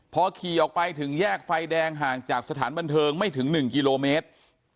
พอขี่ออกไปถึงแยกไฟแดงห่างจากสถานบันเทิงไม่ถึง๑กิโลเมตร